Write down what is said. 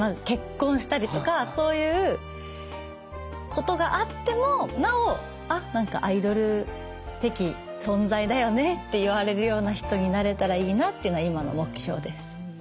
結婚したりとかそういうことがあってもなお「あっ何かアイドル的存在だよね」って言われるような人になれたらいいなっていうのは今の目標です。